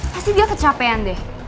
pasti dia kecapean deh